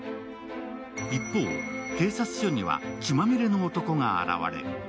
一方、警察署には血まみれの男が現れる。